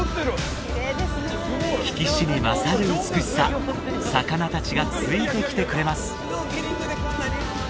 聞きしに勝る美しさ魚達がついてきてくれます